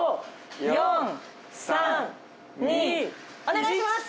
お願いします！